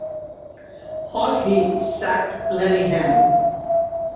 Haughey sacked Lenihan.